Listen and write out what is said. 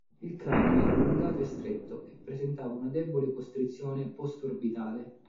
Il cranio era allungato e stretto, e presentava una debole costrizione postorbitale.